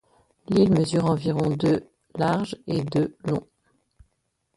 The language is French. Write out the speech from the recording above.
L'île mesure environ de large et de long.